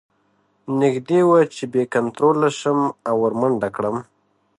نږدې وه چې بې کنتروله شم او ور منډه کړم